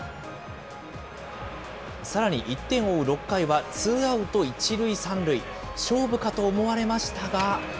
さらに１点を追う６回は、ツーアウト１塁３塁、勝負かと思われましたが。